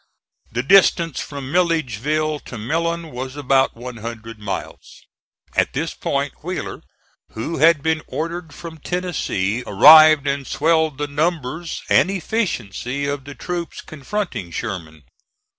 The distance from Milledgeville to Millen was about one hundred miles. At this point Wheeler, who had been ordered from Tennessee, arrived and swelled the numbers and efficiency of the troops confronting Sherman.